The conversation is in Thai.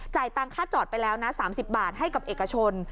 จะไปจอดแล้วนะ๓๐บาทให้กับเอกชน